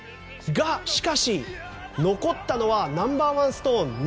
が、しかし残ったのはナンバーワンストーン